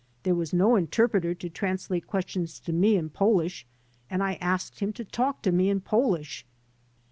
There was no interpreter to translate questions to me in Polish and I asked him to talk to me in Polish.